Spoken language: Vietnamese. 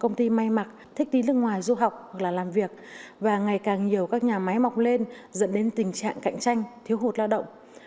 công ty may mặc thích đi nước ngoài du học hoặc là làm việc và ngày càng nhiều các nhà máy mọc lên dẫn đến tình trạng cạnh tranh thiếu hụt lao động